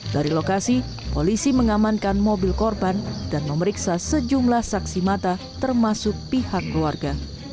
dari lokasi polisi mengamankan mobil korban dan memeriksa sejumlah saksi mata termasuk pihak keluarga